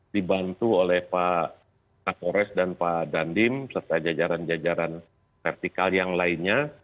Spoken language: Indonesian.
dibantu oleh pak kapolres dan pak dandim serta jajaran jajaran vertikal yang lainnya